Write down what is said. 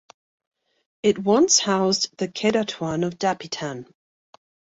It once housed the Kedatuan of Dapitan.